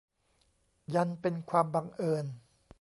ยันเป็นความบังเอิญ